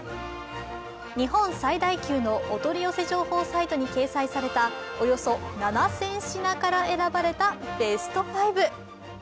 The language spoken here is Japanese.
日本最大級のお取り寄せ情報サイトに掲載されたおよそ７０００品から選ばれたベスト５。